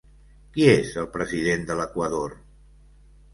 Qui és el president de l'Equador?